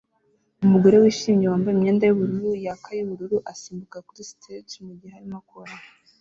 Umugore wishimye wambaye imyenda yubururu yaka yubururu asimbuka kuri stage mugihe arimo akora